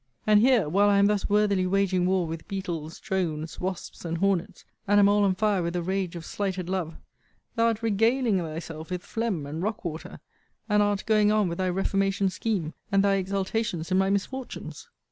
And here, while I am thus worthily waging war with beetles, drones, wasps, and hornets, and am all on fire with the rage of slighted love, thou art regaling thyself with phlegm and rock water, and art going on with thy reformation scheme and thy exultations in my misfortunes!